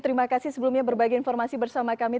terima kasih sebelumnya berbagi informasi bersama kami